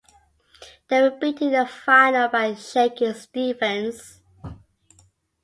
They were beaten in the final by Shakin' Stevens.